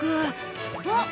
あっ！